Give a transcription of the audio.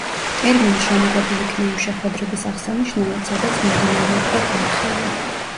ტერმინი შემოღებულ იქნა იმ შეხვედრების აღსანიშნავად, სადაც მიმდინარეობდა განხილვა.